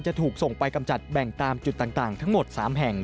จะถูกส่งไปกำจัดแบ่งตามจุดต่างทั้งหมด๓แห่ง